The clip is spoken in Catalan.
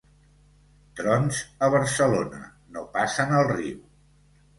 Trons a Barcelona, no passen el riu.